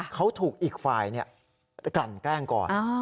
เขาถูกอีกฝ่ายกลั่นแกล้งก่อน